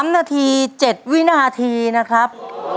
๓นาที๗วินาทีนะครับ